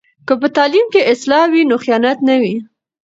که په تعلیم کې اصلاح وي نو خیانت نه وي.